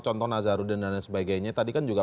contoh nazarudin dan lain sebagainya tadi kan juga